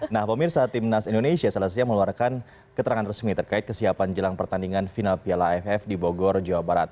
nah pemirsa timnas indonesia selesai meluarkan keterangan resmi terkait kesiapan jelang pertandingan final piala aff di bogor jawa barat